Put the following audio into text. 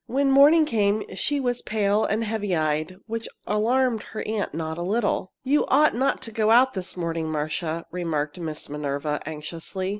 When morning came she was pale and heavy eyed, which alarmed her aunt not a little. "You ought not go out this morning, Marcia," remarked Miss Minerva, anxiously.